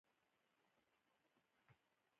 مدیر د فابریکې تفتیش کوي.